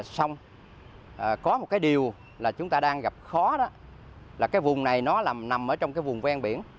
xong có một cái điều là chúng ta đang gặp khó đó là cái vùng này nó nằm ở trong cái vùng ven biển